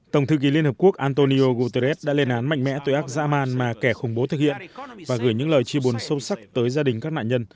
tổng thư ký liên hợp quốc antonio guterres đã lên án mạnh mẽ tội ác dã man mà kẻ khủng bố thực hiện và gửi những lời chia buồn sâu sắc tới gia đình các nạn nhân